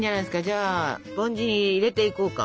じゃあスポンジに入れていこうか。